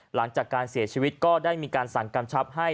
หลังจากการเสียชีวิตก็ได้มีการสั่งกำชับให้